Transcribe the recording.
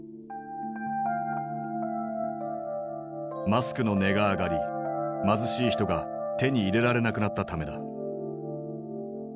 マスクの値が上がり貧しい人が手に入れられなくなったためだ。